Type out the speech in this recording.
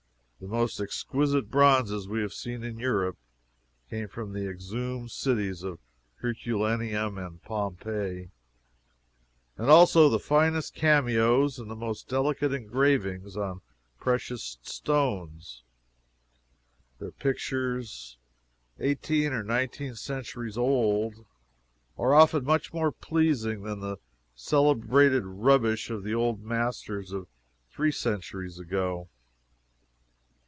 The most exquisite bronzes we have seen in Europe, came from the exhumed cities of Herculaneum and Pompeii, and also the finest cameos and the most delicate engravings on precious stones; their pictures, eighteen or nineteen centuries old, are often much more pleasing than the celebrated rubbish of the old masters of three centuries ago.